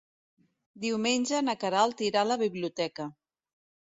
Diumenge na Queralt irà a la biblioteca.